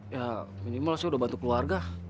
ya minimal saya udah bantu keluarga